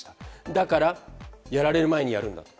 だから、やられる前にやるんだと。